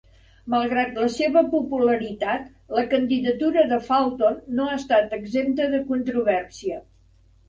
Malgrat la seva popularitat, la candidatura de Fulton no ha estat exempta de controvèrsia.